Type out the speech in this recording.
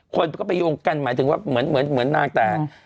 คนก็ไปโยงกันหมายถึงว่าเหมือนนางแตก